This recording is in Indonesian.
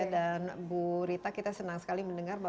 dan bu rita kita senang sekali mendengar